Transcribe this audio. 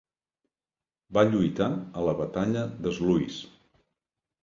Va lluitar a la Batalla de Sluis.